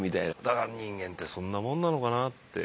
だから人間ってそんなもんなのかなって。